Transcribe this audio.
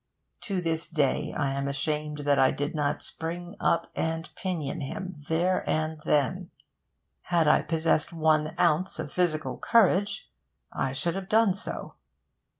To this day I am ashamed that I did not spring up and pinion him, there and then. Had I possessed one ounce of physical courage, I should have done so.